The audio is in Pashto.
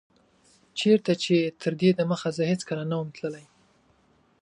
چيرته چي تر دي دمخه زه هيڅکله نه وم تللی